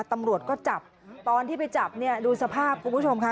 ตำรวจก็จับตอนที่ไปจับเนี่ยดูสภาพคุณผู้ชมค่ะ